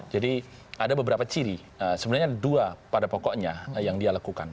jadi ada beberapa ciri sebenarnya ada dua pada pokoknya yang dia lakukan